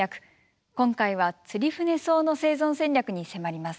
今回はツリフネソウの生存戦略に迫ります。